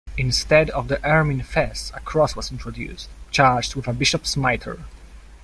Instead of the ermine fess a cross was introduced, charged with a bishop's mitre.